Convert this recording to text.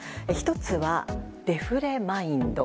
１つは、デフレマインド。